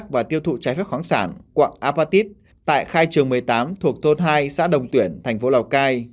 và tiêu thụ trái phép khoáng sản quạng apatit tại khai trường một mươi tám thuộc thôn hai xã đồng tuyển thành phố lào cai